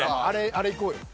あれいこうよ。